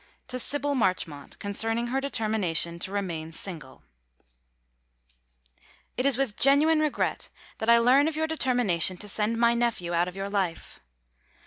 To Sybyl Marchmont Concerning Her Determination to Remain Single It is with genuine regret that I learn of your determination to send my nephew out of your life.